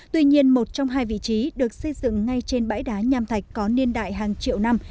tuy nhiên một trong hai vị trí được xây dựng ngay trên bãi đá nham thạch có niên đại hàng triệu năm